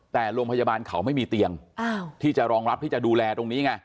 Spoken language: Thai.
แต่โรงพยาบาลเขาไม่มีเตียงที่จะรองรับที่จะดูแลตรงนี้ไง